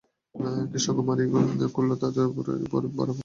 কৃষ্ণকুমারীর খুল্লতাতের উপর এই ভার অর্পিত হইল।